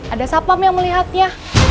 ada sapam yang melihatnya